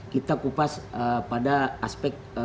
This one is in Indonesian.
kita kupas pada aspek